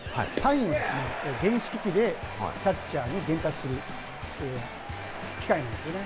サインをですね、電子機器でキャッチャーに伝達する機械なんですね。